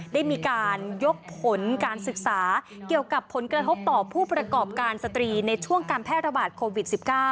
ได้มีการยกผลการศึกษาเกี่ยวกับผลกระทบต่อผู้ประกอบการสตรีในช่วงการแพร่ระบาดโควิด๑๙